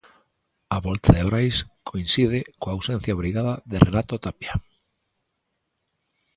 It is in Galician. A volta de Brais coincide coa ausencia obrigada de Renato Tapia.